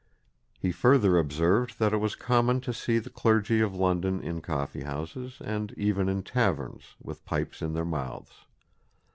He further observed that it was common to see the clergy of London in coffee houses and even in taverns, with pipes in their mouths.